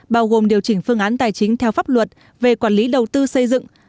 bao gồm điều chỉnh phương án tài chính theo pháp luật về quản lý đầu tư xây dựng